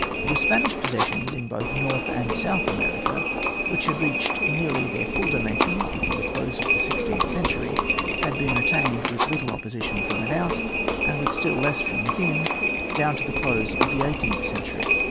The Spanish possessions in both North and South America, which had reached nearly their full dimensions before the close of the sixteenth century, had been retained, with little opposition from without, and with still less from within, down to the close of the eighteenth century.